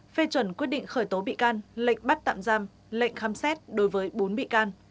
phê chuẩn quyết định khởi tố bị can lệnh bắt tạm giam lệnh khám xét đối với bốn bị can